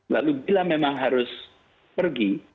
lalu bila memang harus pergi